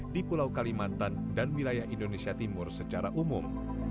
di pulau kalimantan dan wilayah indonesia timur secara umum